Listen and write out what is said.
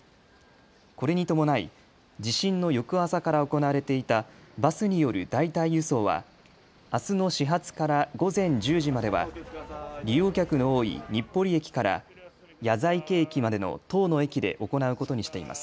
これに伴い、地震の翌朝から行われていたバスによる代替輸送はあすの始発から午前１０時までは利用客の多い日暮里駅から谷在家駅までの１０の駅で行うことにしています。